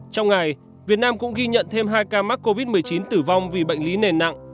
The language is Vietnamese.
trong ngày việt nam cũng ghi nhận thêm hai ca mắc covid một mươi chín tử vong vì bệnh lý nền nặng